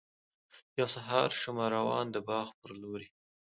یو سهار شومه روان د باغ پر لوري.